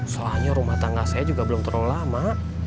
soalnya rumah tangga saya juga belum terlalu lama